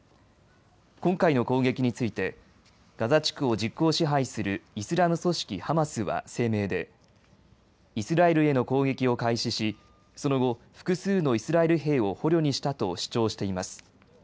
今回の攻撃についてガザ地区を実効支配するイスラム組織ハマスは声明でイスラエルへの攻撃を開始しその後、複数のイスラエル兵を捕虜にしたと主張しています。